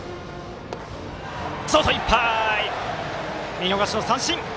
見逃し三振！